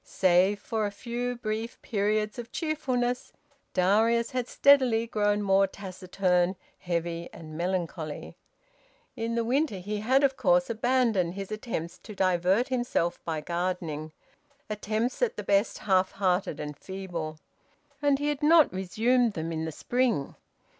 Save for a few brief periods of cheerfulness, Darius had steadily grown more taciturn, heavy and melancholy. In the winter he had of course abandoned his attempts to divert himself by gardening attempts at the best half hearted and feeble and he had not resumed them in the spring.